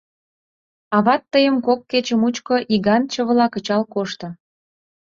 — Ават тыйым кок кече мучко иган чывыла кычал кошто.